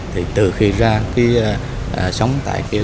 thì từ khi ra đi sống tại cái làng